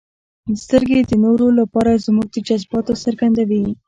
• سترګې د نورو لپاره زموږ د جذباتو څرګندوي.